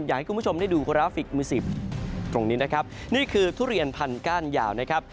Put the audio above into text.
อยากให้คุณผู้ชมได้ดูธุราฟิกมือ๑๐ตรงนี้คือทุเรียนพันธุ์ก้านยาว